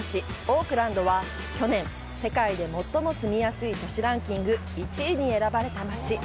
オークランドは、去年「世界で最も住みやすい都市ランキング」１位に選ばれた街。